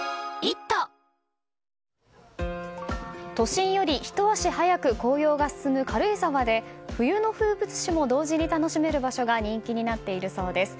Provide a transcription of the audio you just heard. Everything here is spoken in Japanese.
都心よりひと足早く紅葉が進む軽井沢で冬の風物詩も同時に楽しめる場所が人気になっているそうです。